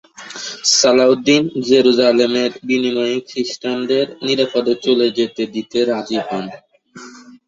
সালাহউদ্দিন জেরুসালেমের বিনিময়ে খ্রিস্টানদের নিরাপদে চলে যেতে দিতে রাজি হন।